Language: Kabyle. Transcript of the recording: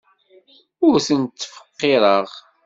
Ur tent-ttfeqqireɣ.